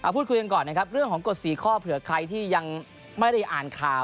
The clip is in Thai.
พูดคุยกันก่อนนะครับเรื่องของกฎ๔ข้อเผื่อใครที่ยังไม่ได้อ่านข่าว